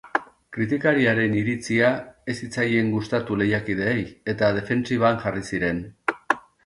Kritikariaren iritzia ez zitzaien gustatu lehiakideei, eta defentsiban jarri ziren.